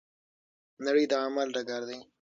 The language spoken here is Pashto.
نړۍ د عمل ډګر دی.